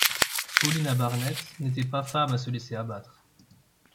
Paulina Barnett n’était pas femme à se laisser abattre.